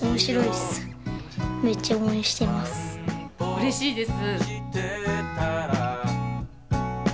うれしいです。